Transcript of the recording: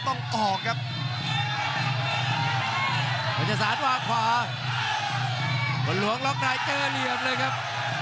ต้องออกครับคนจะสารวางขวาบนหลวงล็อกในเจอเหลี่ยมเลยครับ